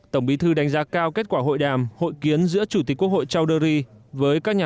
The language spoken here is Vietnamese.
tổng bí thư đánh giá cao kết quả hội đàm hội kiến giữa chủ tịch quốc hội charuri với các nhà